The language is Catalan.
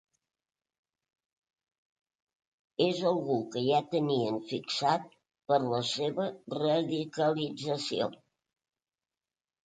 És algú que ja tenien fitxat per la seva ‘radicalització’.